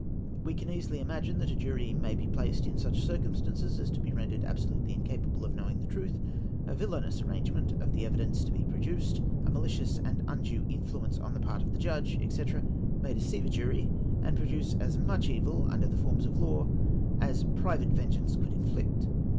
We can easily imagine that a jury may be j^laced in such circumstances as to be rendered absolutely incapable of know ing the truth ; a villanous arrangement of the evidence to be produced, a malicious and undue influence on the part of the judge, &c. may deceive a jury, and produce as much evil imder the forms of law, as private vengeance could inflict.